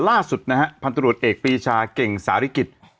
ล่าสุดนะฮะพันธุรกิจเอกปีชาเก่งสาริกิจ